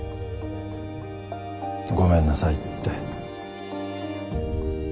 「ごめんなさい」って。